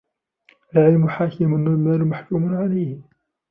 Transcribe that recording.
الْعِلْمُ حَاكِمٌ وَالْمَالُ مَحْكُومٌ عَلَيْهِ